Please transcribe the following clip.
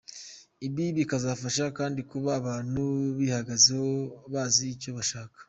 Ibi bikazabafasha kandi kuba abantu bihagazeho, bazi icyo bashaka.